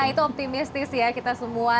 nah itu optimistis ya kita semua